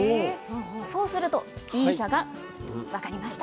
そうするとＢ社が「分かりました。